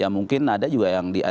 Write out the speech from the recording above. ya mungkin ada juga yang menarik